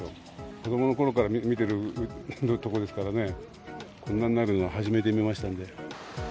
子どものころから見てる所ですからね、こんなになるのは初めて見ましたんで。